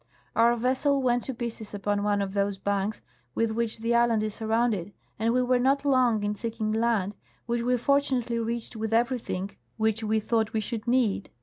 Our vessel Avent to j)ieces upon one of those banks Avith which the island is surrounded, and we Avere not long in seek ing land, which A\'e fortunately reached with everything which we thought Ave should need.